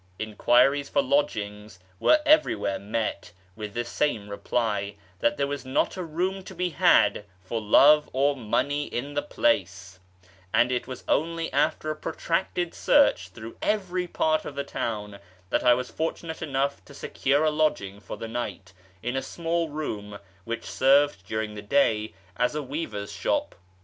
Enquiries for lodgings were everywhere met with the same reply, that there was not a room to be had for love or money in the place ; and it was only after a protracted search through every part of the town that I was fortunate enough to secure a lodging for the night in a small room which served during the day as a weaver's shop.